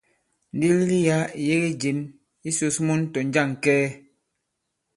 Ndilili yǎ ì yege jěm. Ǐ sǔs mun tɔ̀ jȃŋ kɛɛ.